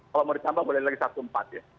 kalau mau ditambah boleh lagi satu empat ya